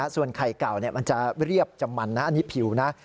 ส่วนไข่เก่ามันจะเรียบจะมันนะอันนี้ผิวนะ